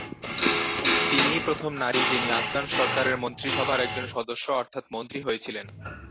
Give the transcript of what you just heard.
তিনিই প্রথম নারী যিনি আফগান সরকারের মন্ত্রীসভার একজন সদস্য অর্থাৎ মন্ত্রী হয়েছিলেন।